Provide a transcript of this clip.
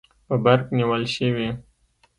په برق نیول شوي